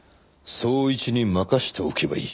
捜一に任せておけばいい。